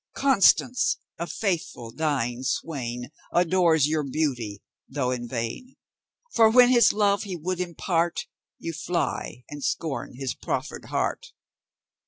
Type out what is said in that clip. Constance! a faithful, dying swain Adores your beauty, though in vain; For when his love he would impart, You fly and scorn his proffered heart!